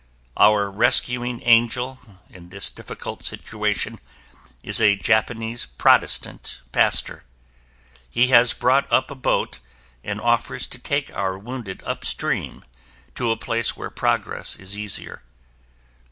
Our rescuing angel in this difficult situation is a Japanese Protestant pastor. He has brought up a boat and offers to take our wounded up stream to a place where progress is easier.